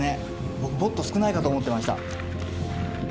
僕もっと少ないかと思ってました。